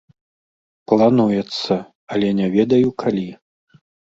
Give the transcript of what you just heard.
Плануецца, але не ведаю, калі.